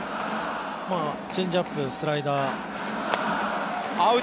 チェンジアップ、スライダー。